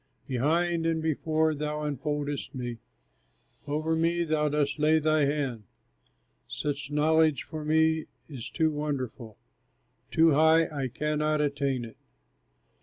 Behind and before thou enfoldest me, Over me thou dost lay thy hand. Such knowledge for me is too wonderful! Too high, I cannot attain it.